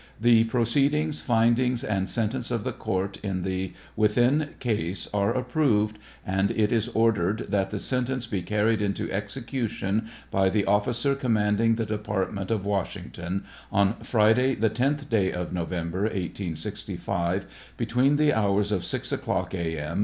The proceedings, findings, and sentence of the court in the within case are approved, and it is ordered that the sentence be carried into execution, by the oificer commanding the department of Washington, on Friday, the 10th day of November, 1865, between the hours of 6 o'clock a. m.